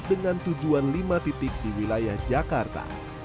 dengan tujuan lima titik di wilayah jakarta